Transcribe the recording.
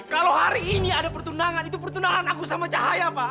kalau hari ini ada pertundangan itu pertunaan aku sama cahaya pak